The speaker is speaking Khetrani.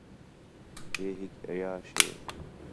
ہِے ہِک عیاش ہِے